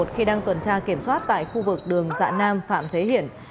khi đang tuần tra kiểm soát tại khu vực đường dạ nam phạm thế hiển